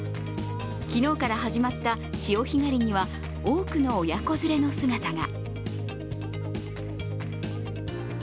昨日から始まった潮干狩りには多くの親子連れの姿が。